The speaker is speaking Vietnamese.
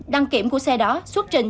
đăng kiểm của xe đó xuất trình